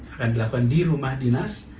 akan dilakukan di rumah dinas